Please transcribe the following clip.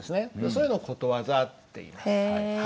そういうのをことわざっていいます。